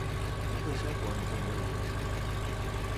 不会生活，你就没有人生